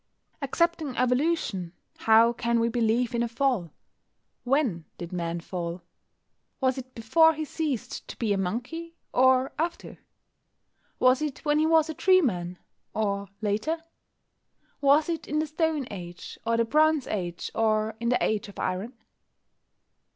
Accepting Evolution, how can we believe in a Fall? When did Man fall? Was it before he ceased to be a monkey, or after? Was it when he was a tree man, or later? Was it in the Stone Age, or the Bronze Age, or in the Age of Iron?